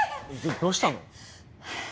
どうしたの？